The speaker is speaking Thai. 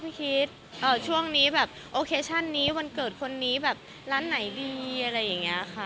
คิดช่วงนี้แบบโอเคชันนี้วันเกิดคนนี้แบบร้านไหนดีอะไรอย่างนี้ค่ะ